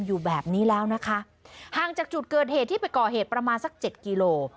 อยู่แบบนี้แล้วนะคะห่างจากจุดเกิดเหตุที่ไปก่อเหตุประมาณสักเจ็ดกิโล